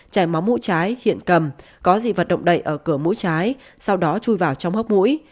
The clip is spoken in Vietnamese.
chảy máu mũi trái hiện cầm có dị vật đẩy ở cửa mũi trái sau đó chui vào trong hốc mũi